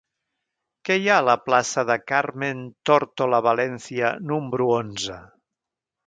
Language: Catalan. Què hi ha a la plaça de Carmen Tórtola Valencia número onze?